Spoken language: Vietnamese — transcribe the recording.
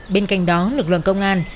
bên cạnh đó lực lượng công an